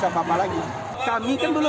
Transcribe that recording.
belum baca apa yang mau kita tolak